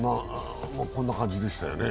こんな感じでしたよね。